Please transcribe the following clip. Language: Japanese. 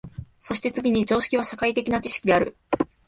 そして次に常識は社会的な知識である。